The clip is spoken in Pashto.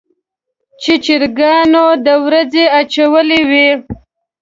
چې چرګانو د ورځې اچولې وي.